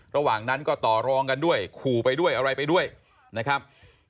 ระหว่างนั้นก็ต่อรองกันด้วยขู่ไปด้วยอะไรไปด้วยนะครับ